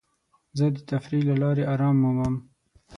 زه د تفریح له لارې ارام مومم.